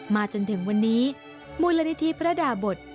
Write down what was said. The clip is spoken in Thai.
จนถึงวันนี้มูลนิธิพระดาบท